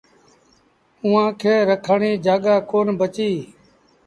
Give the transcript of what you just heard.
اُئآݩٚ کي رکڻ ريٚ جآڳآ ڪون بچي